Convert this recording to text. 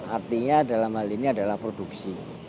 artinya dalam hal ini adalah produksi